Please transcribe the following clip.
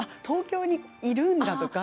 東京にいるんだと。